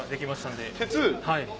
はい。